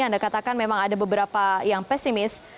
anda katakan memang ada beberapa yang pesimis